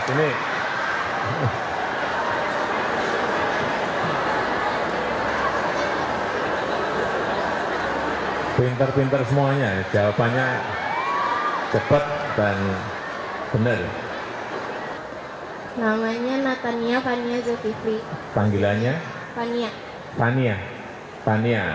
selawesi selawesi utara selawesi barat maluku papua